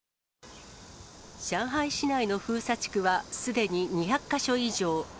上海市内の封鎖地区はすでに２００か所以上。